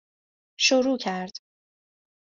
شروع کرد